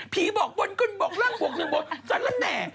ภีรบอกบนกลบอกลั่งบอกนึงบนซะละแหน่